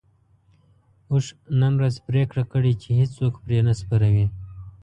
اوښ نن ورځ پرېکړه کړې چې هيڅوک پرې نه سپروي.